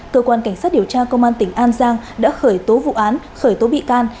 cơ quan cảnh sát điều tra công an tỉnh an giang đã khởi tố vụ án khởi tố bị can